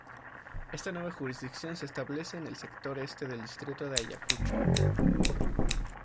Esta nueva jurisdicción se establece en el sector este del Distrito de Ayacucho.